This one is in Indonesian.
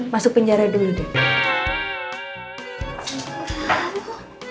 masuk penjara dulu deh